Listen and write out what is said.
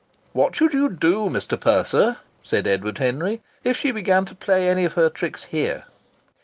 "What should you do, Mr. Purser," said Edward Henry, "if she began to play any of her tricks here?"